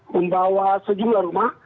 membawa sejumlah rumah